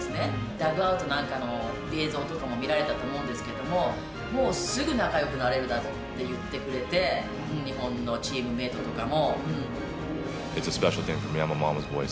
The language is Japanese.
ダッグアウトなんかの映像とかも見られたと思うんですけども、もうすぐ仲よくなれるだろうって言ってくれて、日本のチームメートとかも。